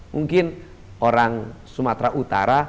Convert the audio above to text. mungkin orang sumatera utara